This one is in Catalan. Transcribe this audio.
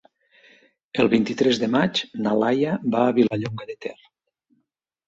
El vint-i-tres de maig na Laia va a Vilallonga de Ter.